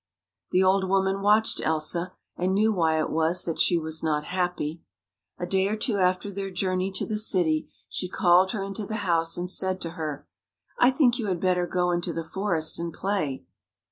The old woman watched Elsa and knew why it was that she was not happy. A day or two after their journey to the city she called her into the house, and said to her: " I think you had better go into the forest and play."